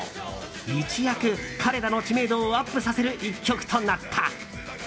一躍、彼らの知名度をアップさせる１曲となった。